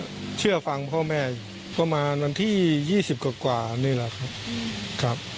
ก็คือก็เชื่อฟังพ่อแม่อยู่ก็มาวันที่ยี่สิบกว่านี่แหละครับครับ